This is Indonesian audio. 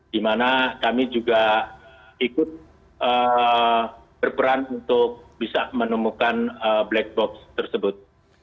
di mana kami juga ikut berperan untuk bisa menemukan black box tersebut